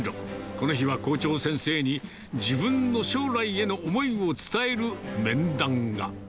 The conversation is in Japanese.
この日は校長先生に、自分の将来への思いを伝える面談が。